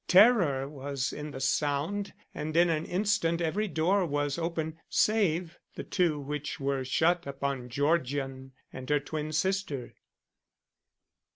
Terror was in the sound and in an instant every door was open save the two which were shut upon Georgian and her twin sister.